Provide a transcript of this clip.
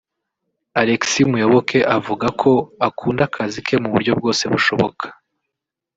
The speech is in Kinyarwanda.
Alexis Muyoboke avuga ko akunda akazi ke mu buryo bwose bushoboka